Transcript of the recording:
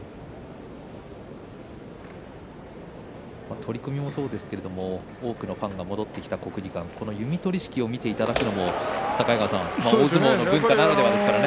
取組もそうですが多くのファンが戻ってきた国技館弓取式を見ていただくのも境川さん、大相撲ならではですらね。